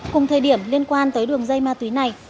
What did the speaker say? cùng thời điểm liên quan tới đường dây ma túy này